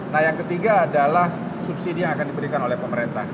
nah yang ketiga adalah subsidi yang akan diberikan oleh pemerintah